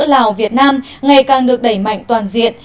kỳ họp giữa lào việt nam ngày càng được đẩy mạnh toàn diện